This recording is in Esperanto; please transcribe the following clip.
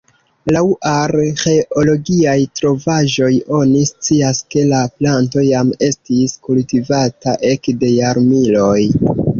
Laŭ arĥeologiaj trovaĵoj oni scias, ke la planto jam estis kultivata ekde jarmiloj.